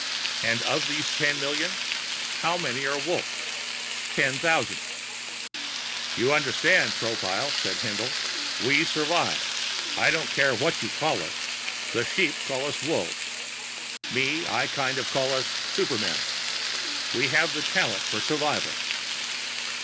And of these ten million, how many are Wolf? Ten thousand. "You understand, Tropile?" said Haendl. "We survive. I don't care what you call us. The sheep call us Wolves. Me, I kind of call us Supermen. We have a talent for survival."